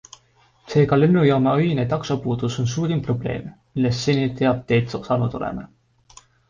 Seega lennujaama öine taksopuudus on suurim probleem, millest seni teateid saanud oleme.